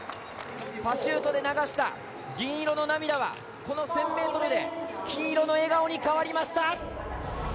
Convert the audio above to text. パシュートで流した銀色の涙はこの１０００ｍで金色の笑顔に変わりました！